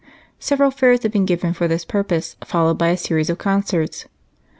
Several fairs had been given for this purpose, followed by a series of concerts.